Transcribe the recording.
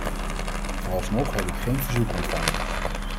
Vooralsnog heb ik geen verzoek ontvangen.